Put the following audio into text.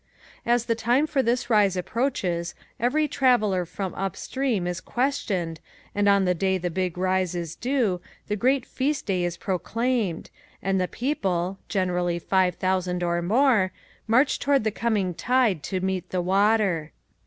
As the time for this rise approaches every traveler from upstream is questioned and on the day the big rise is due the great feast day is proclaimed and the people, generally five thousand or more, march toward the coming tide to meet the water.